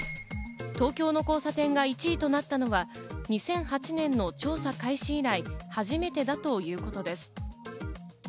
東京の交差点が１位となったのは２００８年の調査開始以来、初めてだということです。